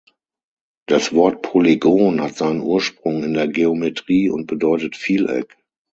Das Wort Polygon hat seinen Ursprung in der Geometrie und bedeutet Vieleck.